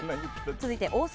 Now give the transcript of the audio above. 続いて大阪。